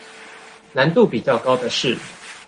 難度比較高的是